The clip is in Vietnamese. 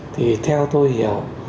thì theo tôi hiểu